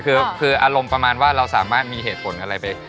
คืออารมณ์ประมาณว่าเราสามารถมีเหตุผลอะไรไป